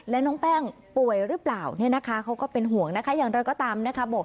แล้วน้องแป้งป่วยหรือเปล่าเขาก็เป็นห่วงอย่างเราก็ตาม